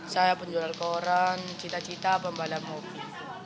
saya penjual koran cita cita pembalap mobil